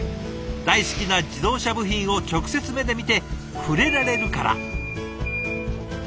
大好きな自動車部品を直接目で見て触れられるから。